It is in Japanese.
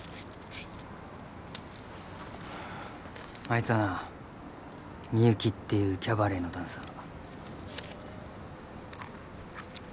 あいつはなみゆきっていうキャバレーのダンサー。